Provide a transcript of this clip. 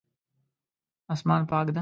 اسمان پاک ده